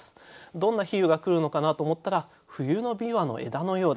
どんな比喩が来るのかなと思ったら「冬の枇杷の枝のようだ」と。